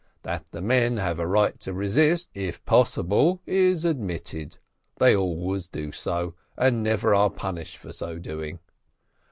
That the men have a right to resist, if possible, is admitted; they always do so, and never are punished for so doing.